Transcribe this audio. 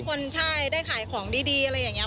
อยากให้คนได้ขายของดีอะไรอย่างนี้